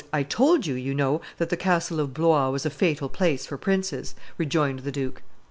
"I told you, you know, that the castle of Blois was a fatal place for princes," rejoined the duke.